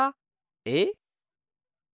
えっ？